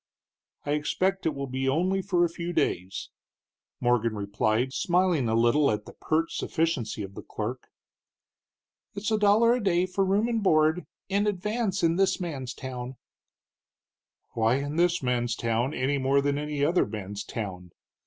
"I expect it will be only for a few days," Morgan replied, smiling a little at the pert sufficiency of the clerk. "It's a dollar a day for board and room in advance in this man's town." "Why in this man's town, any more than any other man's town?"